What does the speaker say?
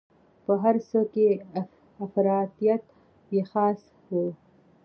په هر څه کې افراطیت یې خاصه وه.